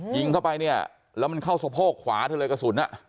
ยิงเข้าไปเนี่ยแล้วมันเข้าสะโพกขวาเธอเลยกระสุน